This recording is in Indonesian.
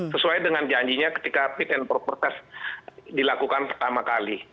sesuai dengan janjinya ketika fit and proper test dilakukan pertama kali